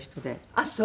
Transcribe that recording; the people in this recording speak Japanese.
あっそう。